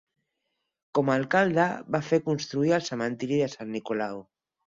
Com a alcalde, va fer construir el cementiri de Sant Nicolau.